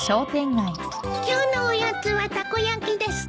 今日のおやつはたこ焼きですか？